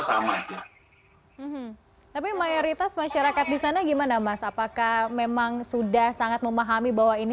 sama sih tapi mayoritas masyarakat di sana gimana mas apakah memang sudah sangat memahami bahwa ini